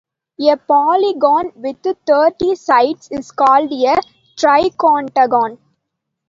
A polygon with thirty sides is called a triacontagon.